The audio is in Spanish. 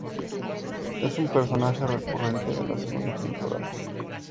Es un personaje recurrente de la segunda temporada.